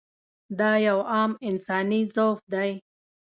دا یو عام انساني ضعف دی.